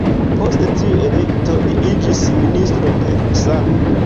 Post tiu elekto, li iĝis Ministro de sano.